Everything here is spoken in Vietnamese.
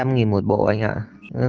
tám trăm linh nghìn một bộ anh ạ